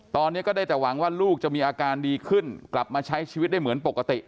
ตอนนี้ก็ได้แต่หวังว่าลูกจะมีอาการดีขึ้นกลับมาใช้ชีวิตได้เหมือนปกติ